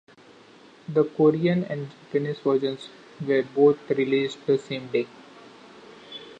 The Korean and Japanese versions were both released the same day.